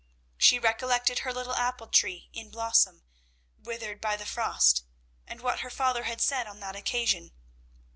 She recollected her little apple tree in blossom, withered by the frost, and what her father had said on that occasion.